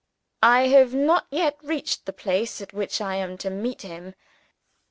I have not yet reached the place at which I am to meet him.